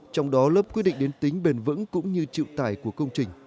trong đó lớp quy định đến tính bền vững cũng như triệu tải của công trình